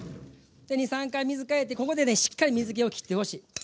２３回水替えてここでしっかり水けをきってほしい。